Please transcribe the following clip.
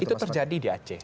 itu terjadi di aceh